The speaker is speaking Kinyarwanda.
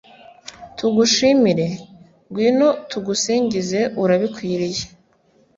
tugushimire, ngwino tugusingize urabikwiriye